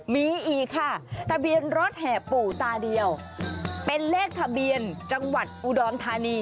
มีอีกค่ะทะเบียนรถแห่ปู่ตาเดียวเป็นเลขทะเบียนจังหวัดอุดรธานี